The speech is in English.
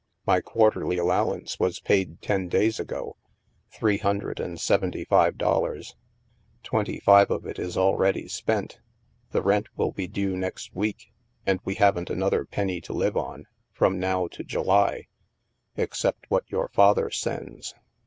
" My quarterly allowance was paid ten days ago ; three hundred and seventy five dollars. Twenty five of it is spent already. The rent will be due next week. And we haven't another penny to live on, from now to July, except what your father sends."